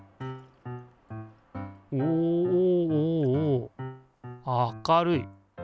おおおお明るい。